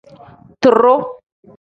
Tiruu.